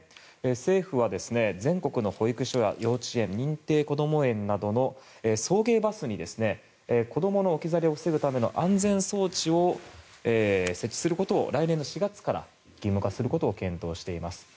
政府は全国の保育所や幼稚園認定こども園などの送迎バスに、子どもの置き去りを防ぐための安全装置を設置することを来年４月から義務化することを検討しています。